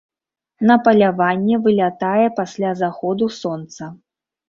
На паляванне вылятае пасля заходу сонца.